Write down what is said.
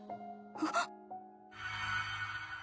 あっ。